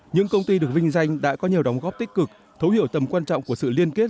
những công ty được vinh danh đã có nhiều đóng góp tích cực thấu hiểu tầm quan trọng của sự liên kết